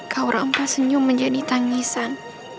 kau rempah senyum menjadi tangisan